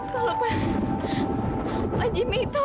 kalau pak jimmy itu